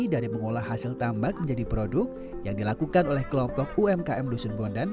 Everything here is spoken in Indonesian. dari mengolah hasil tambak menjadi produk yang dilakukan oleh kelompok umkm dusun bondan